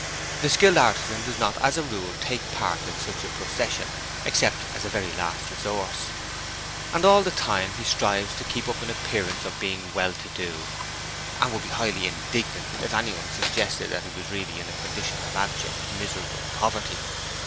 The skilled artisan does not as a rule take part in such a procession except as a very last resource... And all the time he strives to keep up an appearance of being well to do, and would be highly indignant if anyone suggested that he was really in a condition of abject, miserable poverty.